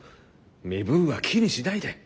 身分は気にしないで。